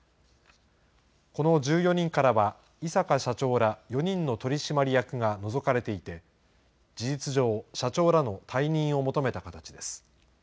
この１４人からは、井阪社長ら４人の取締役が除かれていて、事実上、社長らの退任を求めた形です。